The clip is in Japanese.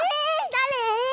だれ？